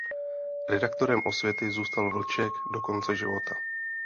Redaktorem "Osvěty" zůstal Vlček do konce života.